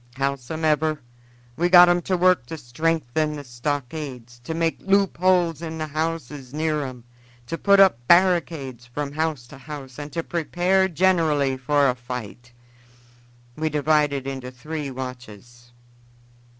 Howsomever, we got 'em to work to strengthen the stockades, to make loop holes in the houses near 'em, to put up barricades from house to house, and to prepare generally for a fight. We divided into three watches.